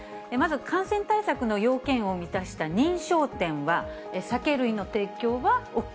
まず感染対策の要件を満たした認証店は、酒類の提供はＯＫ。